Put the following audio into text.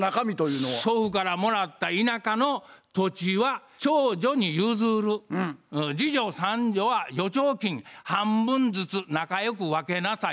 「祖父からもらった田舎の土地は長女に譲る次女三女は預貯金半分ずつ仲良く分けなさい」とこう書いてあったんや。